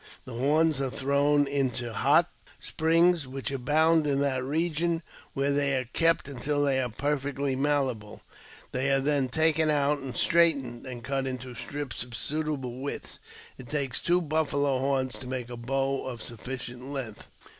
The horns are thrown into hot springs which abound in that region, where they are kej until they are perfectly malleable ; they are then taken out an( straightened, and cut into strips of suitable width. It takes two buffalo horns to make a bow of sufficient length.